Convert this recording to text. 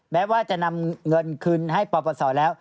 แม้ว่าจะนำเงินคืนให้ปรบประสอบแล้ว